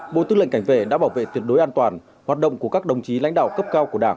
bộ tư lệnh cảnh vệ đã bảo vệ tuyệt đối an toàn hoạt động của các đồng chí lãnh đạo cấp cao của đảng